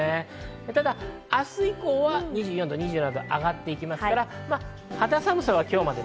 ただ明日以降は２４度、２７度と上がってきますから、肌寒さは今日まで。